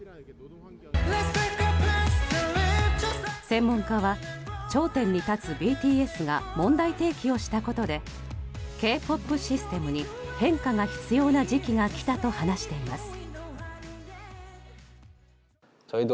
専門家は頂点に立つＢＴＳが問題提起をしたことでＫ‐ＰＯＰシステムに変化が必要な時期がきたと話しています。